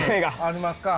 ありますか。